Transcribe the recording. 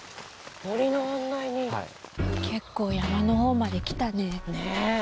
森の案内人はい結構山のほうまで来たねねえ